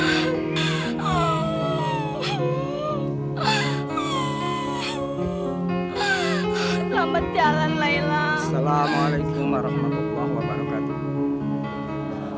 selamat jalan layla assalamualaikum warahmatullahi wabarakatuh